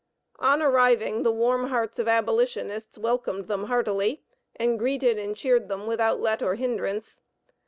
On arriving, the warm hearts of abolitionists welcomed them heartily, and greeted and cheered them without let or hindrance.